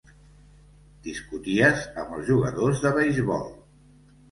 Discuties amb els jugadors de beisbol.